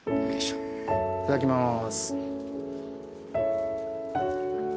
いただきます。